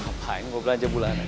ngapain mau belanja bulanan